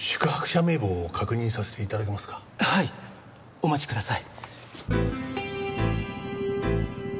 お待ちください。